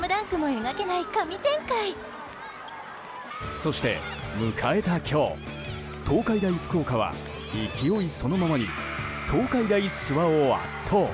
そして迎えた今日東海大福岡は勢いそのままに東海大諏訪を圧倒。